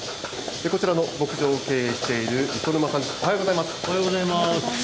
こちらの牧場を経営している磯沼さん、おはようございます。